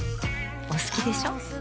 お好きでしょ。